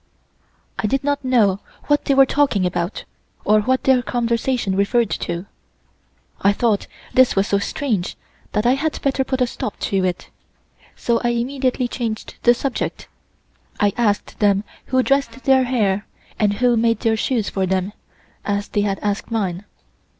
I did not know what they were talking about, or what their conversation referred to. I thought this was so strange that I had better put a stop to it, so I immediately changed the subject. I asked them who dressed their hair, and who made their shoes for them, as they had asked me.